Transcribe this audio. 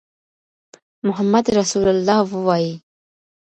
محمد رسول الله ووایئ.